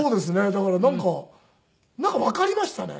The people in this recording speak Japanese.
だからなんかわかりましたね。